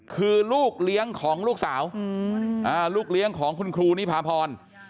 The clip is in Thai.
คือลูกเลี้ยงของลูกสาวลูกเลี้ยงของคุณครูนิพาพร